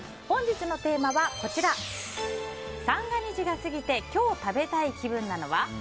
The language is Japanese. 本日のテーマは、三が日が過ぎて今日食べたい気分なのは？